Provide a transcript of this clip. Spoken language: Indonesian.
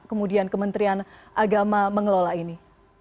kemudian kementerian agama mengelola ini